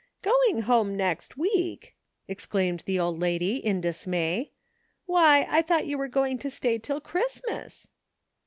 " Going home next week !" exclaimed the old lady, in dismay. " Why, I thought youi were going to stay till Christmas."